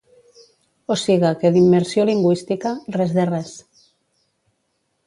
O siga que d’immersió lingüística, res de res.